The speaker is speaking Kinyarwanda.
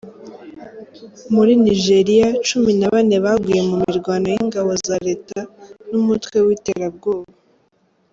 Muri nijeriya cumi nabane baguye mu mirwano y’ingabo za Leta numutwe witera bwoba